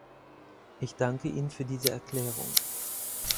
Ich danke Ihnen für diese Erklärung.